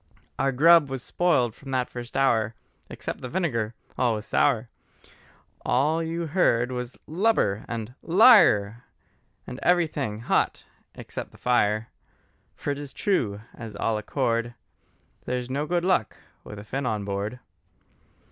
Our grub was spoiled from that first hour, Except the vinegar all was sour; All you heard was Lubber! and Liar! And everything hot except the fire: For it is true, as all accord, There's no good luck with a Finn on board.